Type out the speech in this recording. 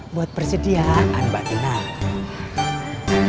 buat persediaan mbak ceminah